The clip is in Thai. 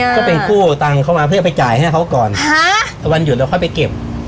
ก็เป็นกู้ตังค์เข้ามาเพื่อไปจ่ายให้เขาก่อนถ้าวันหยุดเราค่อยไปเก็บ